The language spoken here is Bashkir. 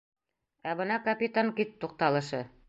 Ә бына капитан Кидд туҡталышы.